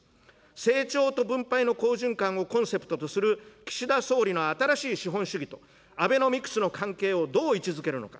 成長と分配の好循環をコンセプトとする岸田総理の新しい資本主義と、アベノミクスの関係をどう位置づけるのか。